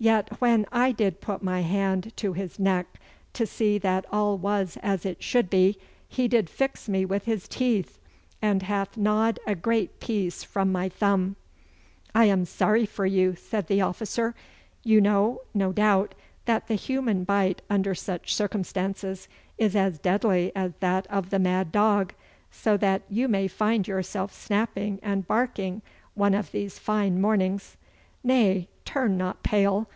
Yet when I did put my hand to his neck to see that all was as it should be, he did fix me with his teeth, and hath gnawed a great piece from my thumb.' 'I am sorry for you,' said the officer. 'You know, no doubt, that the human bite under such circumstances is as deadly as that of the mad dog, so that you may find yourself snapping and barking one of these fine mornings. Nay, turn not pale!